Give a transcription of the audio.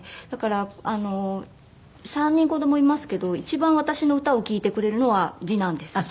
だから３人子供いますけど一番私の歌を聴いてくれるのは次男です。